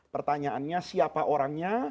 pertanyaannya siapa orangnya